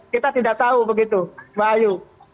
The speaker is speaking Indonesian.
kita tidak tahu begitu mbak ayu